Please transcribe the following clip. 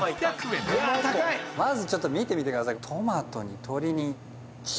まずちょっと見てみてください